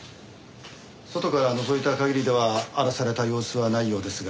外からのぞいた限りでは荒らされた様子はないようですが。